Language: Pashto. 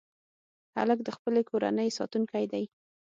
هلک د خپلې کورنۍ ساتونکی دی.